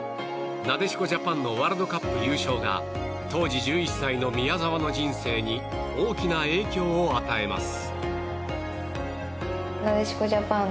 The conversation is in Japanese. なでしこジャパンのワールドカップ優勝が当時１１歳の宮澤の人生に大きな影響を与えます。